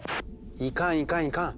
いかんいかんいかん。